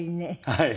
はい。